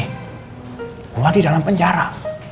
gua di dalam penjara